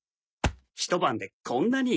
ひと晩でこんなに。